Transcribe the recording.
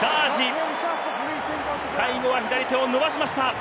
最後は左手を伸ばしました。